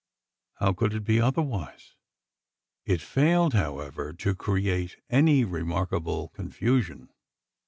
How could it be otherwise? It failed, however, to create any remarkable confusion.